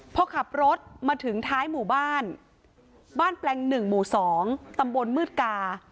พอขับรถมาถึงท้ายหมู่บ้านบ้านแปลงหนึ่งหมู่๒ตำบลมืดกา